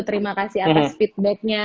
terima kasih atas feedbacknya